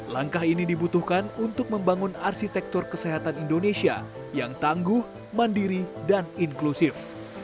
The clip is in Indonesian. langkah ini dibutuhkan untuk membangun arsitektur kesehatan indonesia yang tangguh mandiri dan inklusif